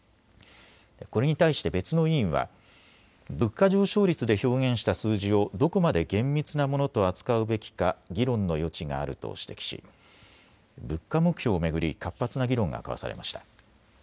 これに対して別の委員は物価上昇率で表現した数字をどこまで厳密なものと扱うべきか議論の余地があると指摘し物価目標を巡り活発な議論が交わされました。